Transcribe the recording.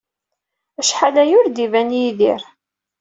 Acḥal aya ur d-iban Yidir.